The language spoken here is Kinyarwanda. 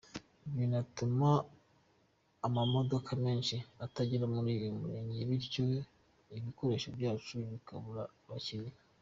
Binatuma amamodoka menshi atagera muri uyu murenge bityo ibikoresho byacu bikabura abakiriya”.